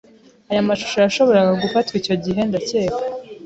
Aya mashusho yashoboraga gufatwa icyo gihe, ndakeka.